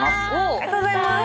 ありがとうございます。